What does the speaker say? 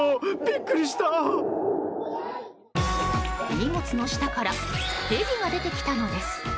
荷物の下からヘビが出てきたのです。